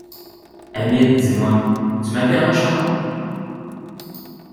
Hamid, dis-moi, tu m’appelleras Charron?